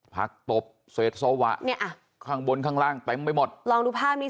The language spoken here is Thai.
ผักตบเศษสวะเนี่ยอ่ะข้างบนข้างล่างเต็มไปหมดลองดูภาพนี้